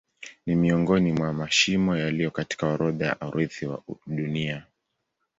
Ni miongoni mwa mashimo yaliyo katika orodha ya urithi wa Dunia.